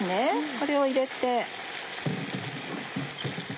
これを入れて。